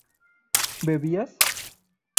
¿bebías?